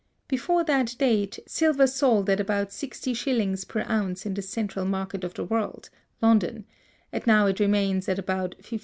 Before that date, silver sold at about 60_d._ per ounce in the central market of the world, London; and now it remains about 52_d.